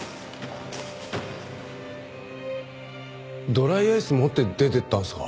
ドライアイスを持って出ていったんですか？